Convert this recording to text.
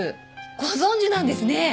ご存じなんですね。